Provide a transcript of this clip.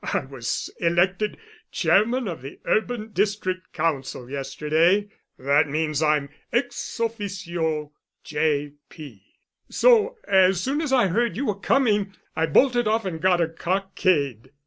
"I was elected chairman of the Urban District Council yesterday; that means I'm ex officio J.P. So, as soon as I heard you were coming, I bolted off and got a cockade."